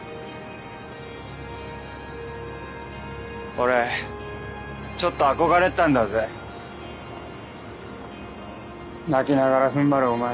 俺ちょっと憧れてたんだぜ泣きながら踏ん張るお前に。